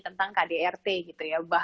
tentang kdrt gitu ya